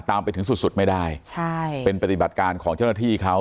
ตามไปถึงสุดสุดไม่ได้ใช่เป็นปฏิบัติการของเจ้าหน้าที่เขา